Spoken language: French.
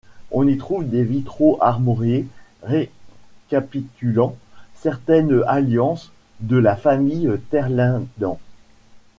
On y trouve des vitraux armoriés récapitulant certaines alliances de la famille Terlinden.